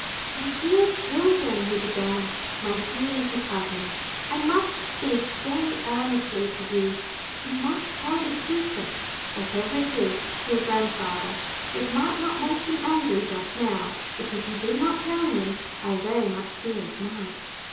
"My dear children," he began, "my dear little cousins, I must speak very earnestly to you. You must tell this secret, whatever it is, to your grandfather. It might not make him angry just now, but if you did not tell him, I very much fear it might."